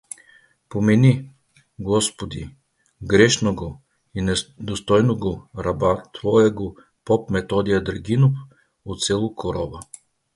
Помени, господи, грешнаго и недостойнаго раба твоего поп Методия Драгинов, от село Корова.